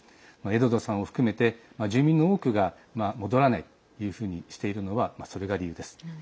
エドドさんを含めて住民の多くが戻らないとしているのはこれが理由です。